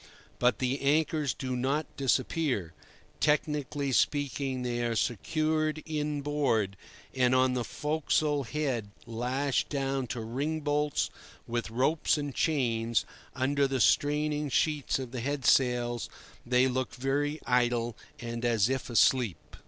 But the anchors do not disappear. Technically speaking, they are "secured in board"; and, on the forecastle head, lashed down to ring bolts with ropes and chains, under the straining sheets of the head sails, they look very idle and as if asleep.